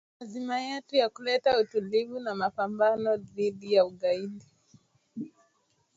Lazima yetu ya kuleta utulivu na mapambano dhidi ya ugaidi